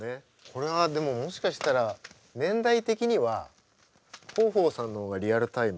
これはでももしかしたら年代的には豊豊さんの方がリアルタイムだと思うんですけど。